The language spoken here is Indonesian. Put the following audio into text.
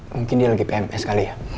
mungkin dia lagi pms kali ya